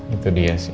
itu dia sih